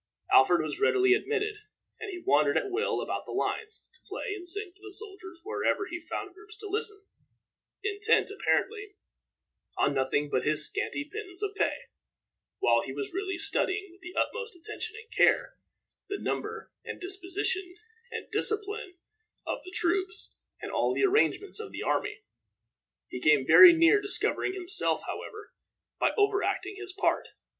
Alfred was readily admitted, and he wandered at will about the lines, to play and sing to the soldiers wherever he found groups to listen intent, apparently, on nothing but his scanty pittance of pay, while he was really studying, with the utmost attention and care, the number, and disposition, and discipline of the troops, and all the arrangements of the army. He came very near discovering himself, however, by overacting his part.